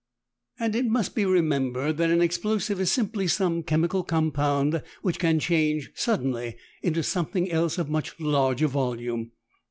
And it must be remembered that an explosive is simply some chemical compound which can change suddenly into something else of much larger volume.